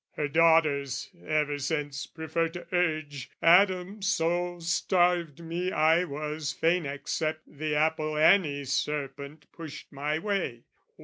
Her daughters ever since prefer to urge "Adam so starved me I was fain accept "The apple any serpent pushed my way."